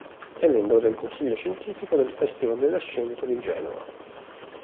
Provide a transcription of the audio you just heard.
È membro del Consiglio Scientifico del Festival della Scienza di Genova.